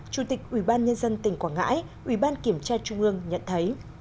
chủ tịch ủy ban nhân dân tỉnh quảng ngãi ủy ban kiểm tra trung ương nhận thấy